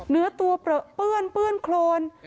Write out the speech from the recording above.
เนื้อตัวเปื้อนโครน